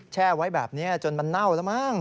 แช่ไว้แบบนี้จนมันเน่าแล้วมั้ง